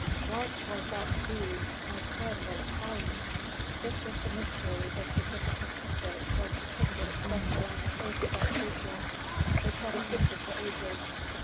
What was that to be, and when would it come? This was a mystery the significance of which was depicted expressly on the face of that creature which had existed for ages.